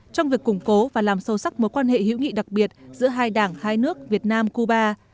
trong việc củng cố và làm sâu sắc mối quan hệ hữu nghị đặc biệt giữa hai đảng hai nước việt nam cuba